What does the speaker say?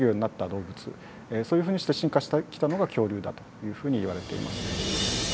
動物そういうふうにして進化してきたのが恐竜だというふうにいわれています。